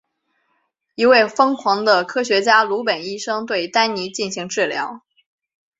一位疯狂的科学家鲁本医生对丹尼进行治疗。